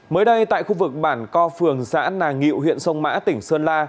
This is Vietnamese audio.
mới đây tại khu vực bản co phường xã nà ngu huyện sông mã tỉnh sơn la